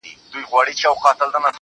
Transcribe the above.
راسه يوار راسه صرف يوه دانه خولگۍ راكړه~